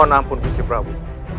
mohon ampun gusti prabu